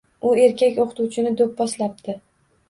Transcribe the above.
U erkak o‘qituvchini do‘pposlabdi.